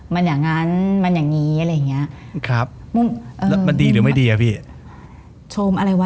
มันอย่างงั้นมันอย่างงี้อะไรอย่างเงี้ยครับแล้วมันดีหรือไม่ดีอ่ะพี่ชมอะไรวะ